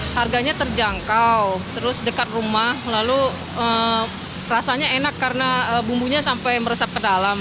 harganya terjangkau terus dekat rumah lalu rasanya enak karena bumbunya sampai meresap ke dalam